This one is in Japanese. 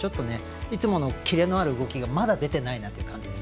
いつものキレのある動きがまだ出ていないなという感じです。